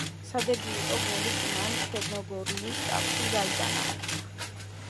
სადებიუტო გოლი კი მან ჩერნოგორიის კარში გაიტანა.